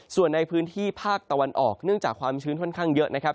ส่วนในพื้นที่ภาคตะวันออกเนื่องจากความชื้นค่อนข้างเยอะนะครับ